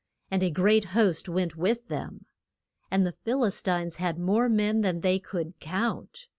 And a great host went with them. And the Phil is tines had more men than they could count.